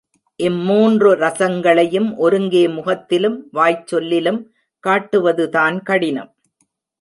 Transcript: இம் மூன்று ரசங்களையும் ஒருங்கே முகத்திலும், வாய்ச் சொல்லிலும் காட்டுவதுதான் கடினம்.